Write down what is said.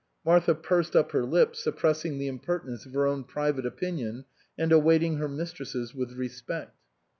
Martha pursed up her lips, suppressing the impertinence of her own private opinion and awaiting her mistress's with respect.